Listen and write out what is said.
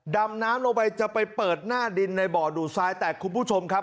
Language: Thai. ดำน้ำลงไปจะไปเปิดหน้าดินในบ่อดูดซ้ายแต่คุณผู้ชมครับ